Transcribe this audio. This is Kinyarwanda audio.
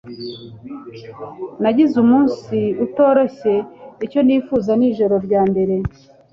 Nagize umunsi utoroshye, icyo nifuza ni ijoro ryambere.